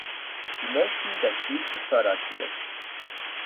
Wir möchten, dass dies gefördert wird.